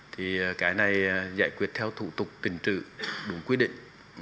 thì cái này giải quyết theo thủ tục kinh trự đúng quy định